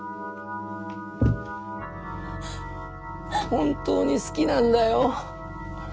本当に好きなんだよ。